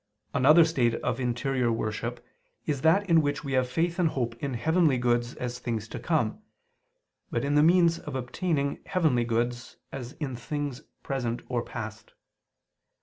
Another state of interior worship is that in which we have faith and hope in heavenly goods as things to come; but in the means of obtaining heavenly goods, as in things present or past.